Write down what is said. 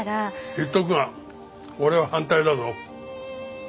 言っておくが俺は反対だぞ。